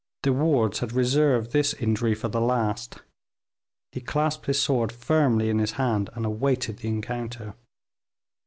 De Wardes had reserved this injury for the last; he clasped his sword firmly in his hand, and awaited the encounter.